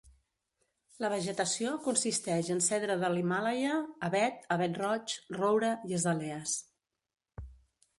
La vegetació consisteix en cedre de l'Himàlaia, avet, avet roig, roure i azalees.